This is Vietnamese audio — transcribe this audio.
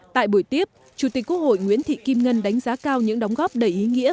tại buổi tiếp chủ tịch quốc hội nguyễn thị kim ngân đánh giá cao những đóng góp đầy ý nghĩa